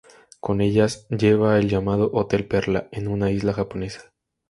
Con ellas lleva el llamado "Hotel Perla", en una isla japonesa.